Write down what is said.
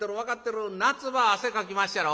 夏場汗かきまっしゃろ。